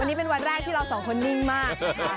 วันนี้เป็นวันแรกที่เราสองคนนิ่งมากนะคะ